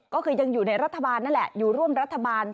ก็คือยังอยู่ในรัฐบาลนั่นแหละอยู่ร่วมรัฐบาล